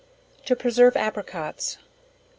To preserve Apricots.